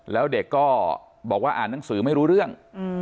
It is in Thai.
แล้วเด็กก็บอกว่าอ่านหนังสือไม่รู้เรื่อง